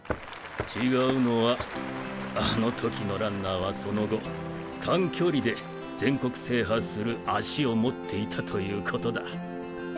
違うのはあの時のランナーはその後短距離で全国制覇する足を持っていたということだ。